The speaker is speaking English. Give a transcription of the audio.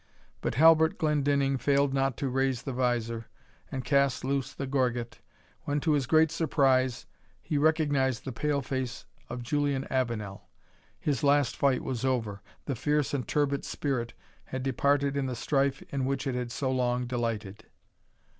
But Halbert Glendinning failed not to raise the visor and cast loose the gorget, when, to his great surprise, he recognized the pale face of Julian Avenel. His last fight was over, the fierce and turbid spirit had departed in the strife in which it had so long delighted.